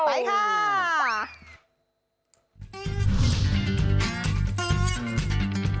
ไปค่ะ